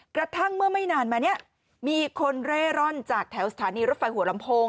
กระทั่งเมื่อไม่นานมาเนี่ยมีคนเร่ร่อนจากแถวสถานีรถไฟหัวลำโพง